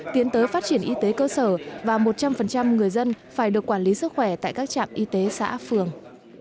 tiến tới phát triển y tế cơ sở và một trăm linh người dân phải được quản lý sức khỏe tại các trạm y tế xã phường